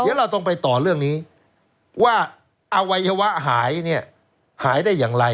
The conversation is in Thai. เดี๋ยวเราต้องไปต่อเรื่องนี้ว่าอวัยวะหายเนี่ยหายได้อย่างไร